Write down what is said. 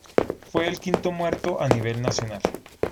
Fue el quinto muerto a nivel nacional.